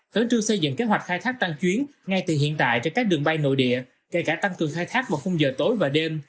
tấn trương xây dựng kế hoạch khai thác tăng chuyến ngay từ hiện tại cho các đường bay nội địa kể cả tăng cường khai thác vào khung giờ tối và đêm